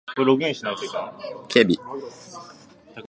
警備